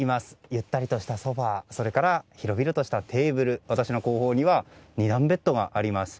ゆったりとしたソファそれから広々としたテーブル私の後方には２段ベッドがあります。